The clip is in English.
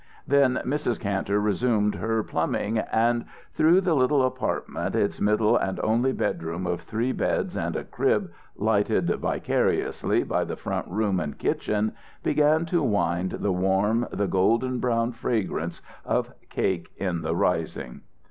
Then Mrs. Kantor resumed her plumbing, and through the little apartment, its middle and only bedroom of three beds and a crib lighted vicariously by the front room and kitchen, began to wind the warm, the golden brown fragrance of cake in the rising.